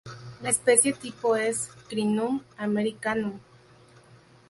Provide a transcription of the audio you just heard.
La especie tipo es: "Crinum americanum